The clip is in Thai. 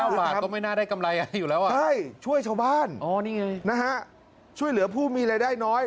กล้าวหลากก็ไม่น่าได้กำไรอยู่แล้วอ่ะใช่ช่วยชาวบ้านนะฮะช่วยเหลือผู้มีรายได้น้อย